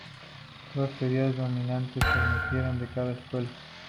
Dos teorías dominantes emergieron de cada escuela.